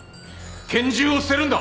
拳銃を捨てるんだ。